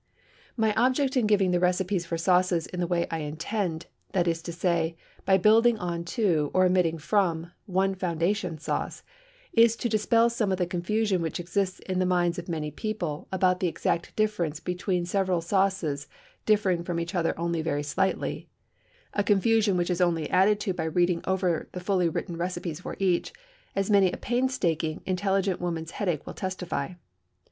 My object in giving the recipes for sauces in the way I intend that is to say, by building on to, or omitting from, one foundation sauce is to dispel some of the confusion which exists in the minds of many people about the exact difference between several sauces differing from each other very slightly a confusion which is only added to by reading over the fully written recipes for each, as many a painstaking, intelligent woman's headache will testify.